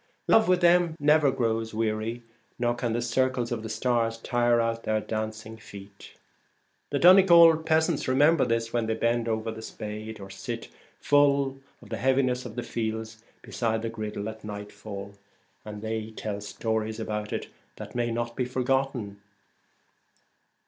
Love with them never grows weary, nor can the circles of the stars tire out their dancing feet. The Donegal peasants remember this when they bend over the spade, or sit full of the heaviness of the fields beside the griddle at nightfall, and they tell stories about it that it may not be forgotten.